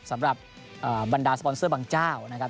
สำหรับบรรดาสปอนเซอร์บางเจ้านะครับ